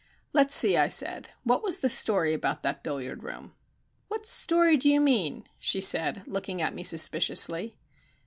"Let's see," I said. "What was the story about that billiard room?" "What story do you mean?" she said, looking at me suspiciously.